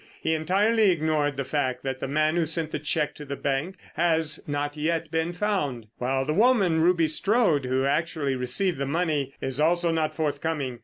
he entirely ignored the fact that the man who sent the cheque to the bank has not yet been found, while the woman, Ruby Strode, who actually received the money, is also not forthcoming.